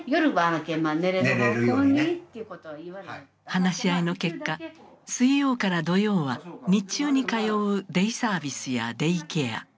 話し合いの結果水曜から土曜は日中に通うデイサービスやデイケア。